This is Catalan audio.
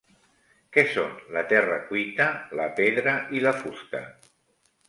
Què són la terra cuita, la pedra i la fusta?